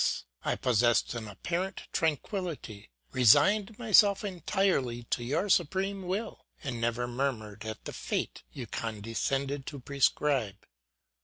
I possessed an apparent tranquillity, resigned myself entirely to your supreme will, and never murmured at the fate you condescended to prescribe.